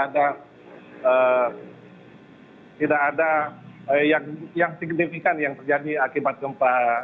dan tidak ada yang signifikan yang terjadi akibat gempa